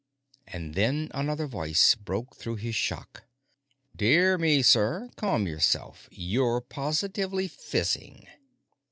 _ And then another voice broke through his shock. "Dear me, sir! Calm yourself! You're positively fizzing!"